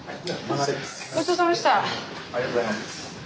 ありがとうございます。